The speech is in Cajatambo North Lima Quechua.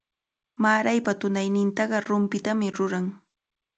Maraypa tunaynintaqa rumpitami ruran.